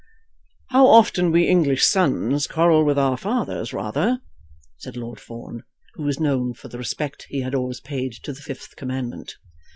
"How often we English sons quarrel with our fathers rather," said Lord Fawn, who was known for the respect he had always paid to the fifth commandment.